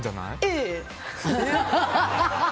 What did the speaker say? ええ。